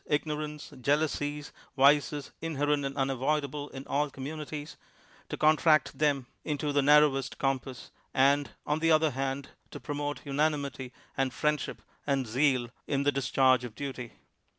igno rance, jealousies, vices inherent and unavuid ahle in all communities, to contract them inUi the fiarroircsf compass, and, on th^? other It.and, to promote vnanimily and friendsnip and zeal INTRODUCTION in the discharge of duty.